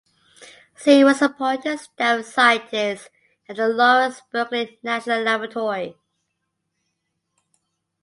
Zheng was appointed Staff Scientist at the Lawrence Berkeley National Laboratory.